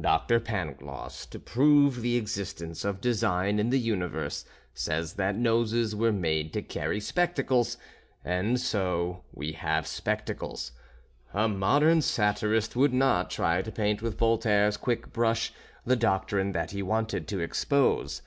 Dr. Pangloss, to prove the existence of design in the universe, says that noses were made to carry spectacles, and so we have spectacles. A modern satirist would not try to paint with Voltaire's quick brush the doctrine that he wanted to expose.